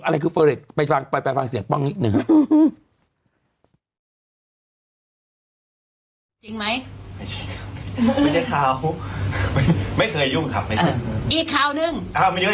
อะไรคือเฟอร์เล็กซ์ไปฟังเสียงป้องนิดนึงครับ